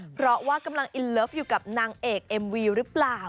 เพราะว่ากำลังอินเลิฟอยู่กับนางเอกเอ็มวีหรือเปล่า